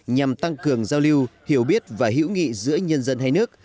nhằm tăng cường giao lưu hiểu biết và hữu nghị giữa nhân dân hai nước